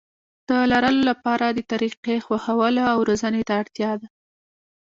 د لرلو لپاره د طريقې خوښولو او روزنې ته اړتيا ده.